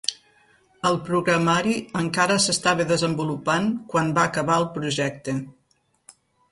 El programari encara s'estava desenvolupant quan va acabar el projecte.